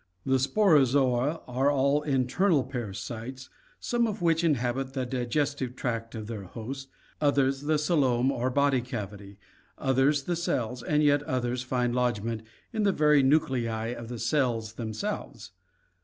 The Sporozoa are all internal parasites, some of which inhabit the digestive tract of their host, others the ccelome or body cavity, others the cells, and yet others find lodgment in the very nuclei of the cells themselves.